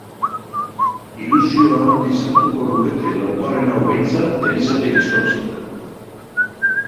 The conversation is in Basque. Ilusio handiz hartuko lukete laugarren hau behintzat elizatik ezkontzea.